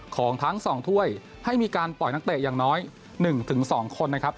ของทั้ง๒ถ้วยให้มีการปล่อยนักเตะอย่างน้อย๑๒คนนะครับ